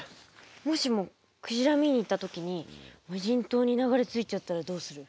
もしもクジラ見に行った時に無人島に流れ着いちゃったらどうする？